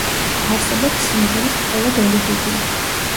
არსებობს სიმღერის მხოლოდ ორი დუბლი.